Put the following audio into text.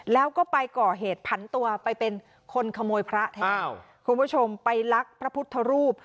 แล้วก็ไปก่อเหตุผันตัวไปเป็นคนขโมยพระแทนคุณผู้ชมไปลักพระพุทธรูป